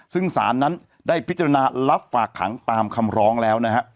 ซึ่งศาลนั้นได้พิจารณารับฝากขังตามคำร้องแล้วนะฮะ